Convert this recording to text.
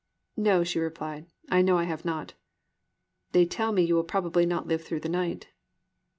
"No," she replied, "I know I have not." "They tell me you will probably not live through the night."